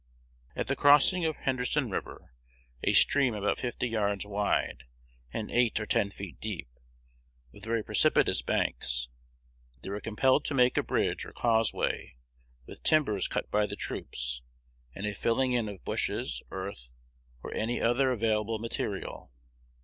At the crossing of Henderson River, a stream about fifty yards wide, and eight or ten feet deep, with very precipitous banks, they were compelled to make a bridge or causeway with timbers cut by the troops, and a filling in of bushes, earth, or any other available material.